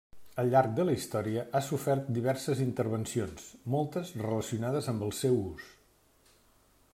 Al llarg de la història ha sofert diverses intervencions, moltes relacionades amb el seu ús.